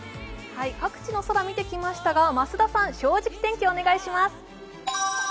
各地の空見てきましたが、増田さん「正直天気」お願いします。